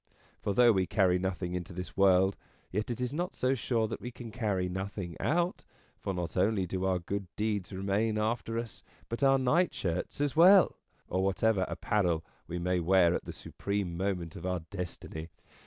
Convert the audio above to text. For though we carry nothing into this world, yet it is not so sure that we can carry nothing out: for not only do our good deeds remain after us, but our nightshirts as well, or whatever apparel we may wear at the supreme moment of our Destiny.